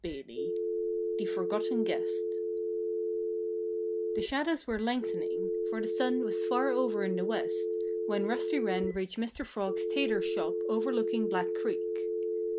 XXII THE FORGOTTEN GUEST The shadows were lengthening for the sun was far over in the west when Rusty Wren reached Mr. Frog's tailor's shop overlooking Black Creek.